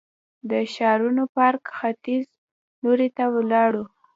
د ښارنو پارک ختیځ لوري ته ولاړو.